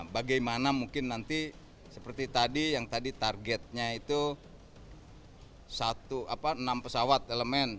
bagaimana mungkin nanti seperti tadi yang tadi targetnya itu enam pesawat elemen